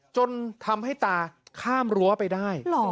จนทำให้ตาข้ามรั้วไปได้